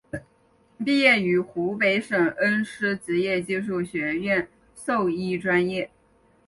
毕业于湖北省恩施职业技术学院兽医专业。